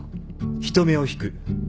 人目を引く。